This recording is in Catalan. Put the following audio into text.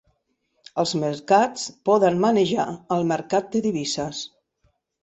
Els mercats poden manejar el mercat de divises